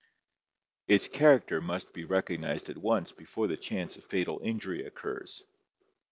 Its character must be recognized at once before the chance of fatal injury occurs.